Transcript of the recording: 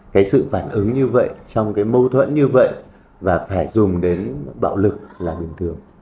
cái sự phản ứng như vậy trong cái mâu thuẫn như vậy và phải dùng đến bạo lực là bình thường